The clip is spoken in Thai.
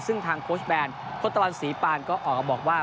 ซึ่งทางโค้ชแบนโคตะวันศรีปานก็ออกมาบอกว่า